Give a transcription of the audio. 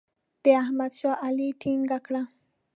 د احمد شا علي ټینګه کړه.